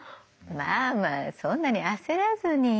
まあまあそんなに焦らずに。